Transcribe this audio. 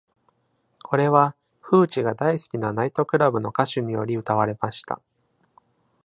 これは、プーチが大好きなナイトクラブの歌手により歌われました。